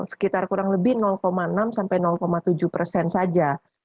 sekitar kurang lebih enam sampai tujuh persen saja